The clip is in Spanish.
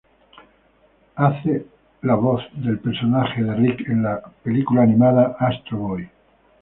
Hace la voz del personaje de Rick en la película animada Astro Boy.